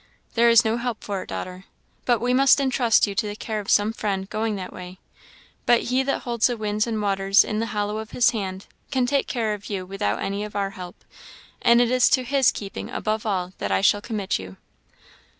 There is no help for it, daughter, but we must intrust you to the care of some friend going that way; but He that holds the winds and waters in the hollow of his hand, can take care of you without any of our help, and it is to his keeping above all that I shall commit you."